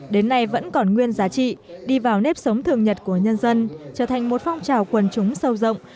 đến nay vẫn còn nguyên giá trị đi vào nếp sống thường nhật của nhân dân trở thành một phong trào quần chúng sâu rộng